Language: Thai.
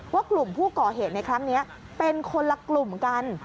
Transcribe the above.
ว่ากลุ่มผู้ก่อเหตุในครั้งนี้เป็นคนละกลุ่มกัน